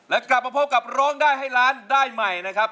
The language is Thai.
และกลับมาพบกับร้องได้ให้ล้านได้ใหม่นะครับ